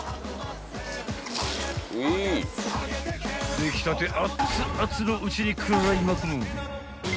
［出来たて熱々のうちに食らいまくる］